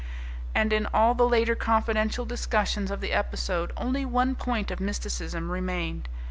And in all the later confidential discussions of the episode only one point of mysticism remained.